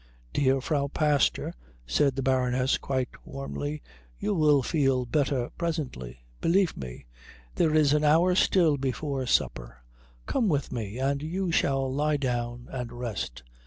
"Dear Frau Pastor," said the Baroness quite warmly, "you will feel better presently. Believe me. There is an hour still before supper. Come with me, and you shall lie down and rest."